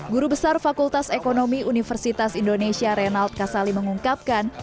guru besar fakultas ekonomi universitas indonesia reynald kasali mengungkapkan